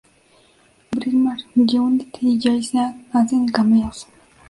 Birdman, G-Unit, y Jay Sean hacen cameos.